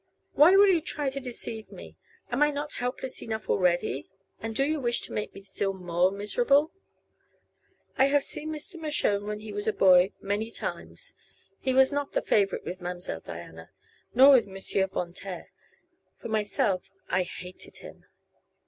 "Why will you try to deceive me? Am I not helpless enough already, and do you wish to make me still more miserable?" "I have seen Mr. Mershone when he was a boy, many times. He was not the favorite with Ma'm'selle Diana, nor with Monsieur Von Taer. For myself, I hated him."